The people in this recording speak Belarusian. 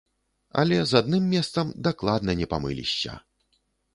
Але з адным месцам дакладна не памылішся.